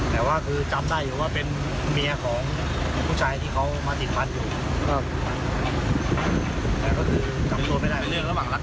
แต่ว่าคือจำได้อยู่ว่าเป็นเมียของผู้ชายที่เขามาติดพันธุ์อยู่